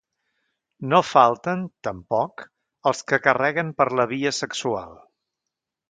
No falten, tampoc, els que carreguen per la via sexual.